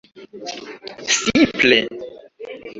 simple